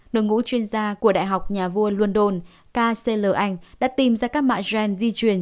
đội ngũ chuyên gia của đại học nhà vua london kcl anh đã tìm ra các mạng gen di truyền